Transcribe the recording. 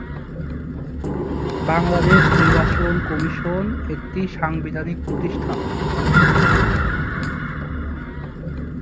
বাংলাদেশ নির্বাচন কমিশন একটি সাংবিধানিক প্রতিষ্ঠান।